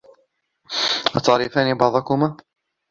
أتعرفان بعضكما؟